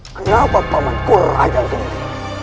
kenapa paman kurang ada geni